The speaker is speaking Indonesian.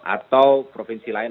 atau provinsi lain